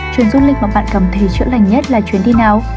chuyển du lịch mà bạn cảm thấy chữa lành nhất là chuyến đi nào